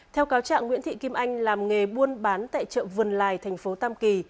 theo cáo trạng nguyễn thị kim anh làm nghề buôn bán tại chợ vườn lài tp tam kỳ